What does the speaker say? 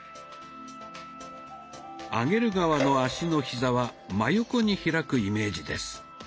上げる側の脚のひざは真横に開くイメージです。